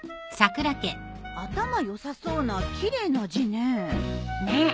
頭良さそうな奇麗な字ね。ね。